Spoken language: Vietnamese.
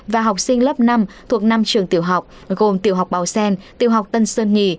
và học sinh lớp năm thuộc năm trường tiểu học gồm tiểu học bào xen tiểu học tân sơn nhì